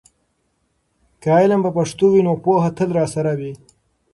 که علم په پښتو وي، نو پوهه تل راسره وي.